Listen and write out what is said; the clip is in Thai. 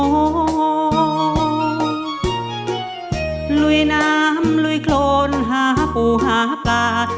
ลุยน้ำลุยโครนหาปูหาปลา